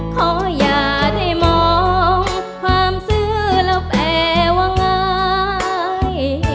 ขออย่าได้มองความซื้อแล้วแปลว่าง่าย